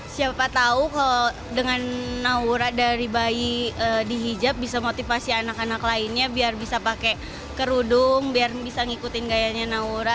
siapa tahu kalau dengan naura dari bayi di hijab bisa motivasi anak anak lainnya biar bisa pakai kerudung biar bisa ngikutin gayanya naura